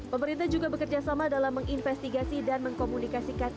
pemerintah juga bekerjasama dalam menginvestigasi dan mengkomunikasikan